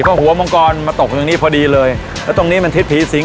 ก็หัวมังกรมาตกตรงนี้พอดีเลยแล้วตรงนี้มันทิศผีสิง